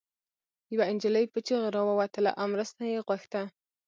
يوه انجلۍ په چيغو راووتله او مرسته يې غوښته